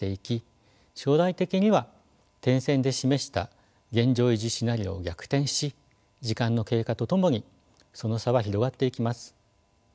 将来的には点線で示した現状維持シナリオを逆転し時間の経過とともにその差は広がっていきます。